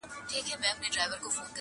په مجلس کي به یې وویل نظمونه.!